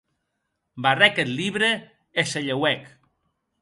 Barrèc eth libre e se lheuèc.